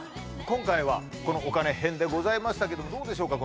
今回はこのお金編でございましたけどもどうでしょうか